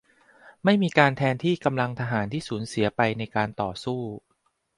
ไม่มีการแทนที่กำลังทหารที่สูญเสียไปในการต่อสู้